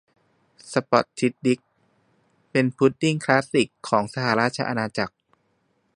สป็อททิด ดิก เป็นพุดดิ้งคลาสสิกของสหราชอาณาจักร